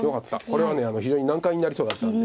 これは非常に難解になりそうだったんで。